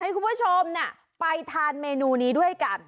คุณผู้ชมไปทานเมนูนี้ด้วยกัน